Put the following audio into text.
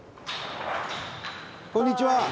こんにちは！